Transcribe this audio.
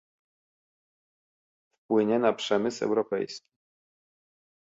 wpływie na przemysł europejski